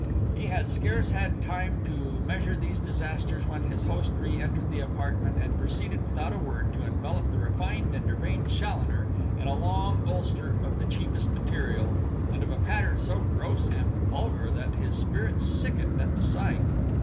He had scarce had time to measure these disasters when his host re entered the apartment and proceeded, without a word, to envelop the refined and urbane Challoner in a long ulster of the cheapest material, and of a pattern so gross and vulgar that his spirit sickened at the sight.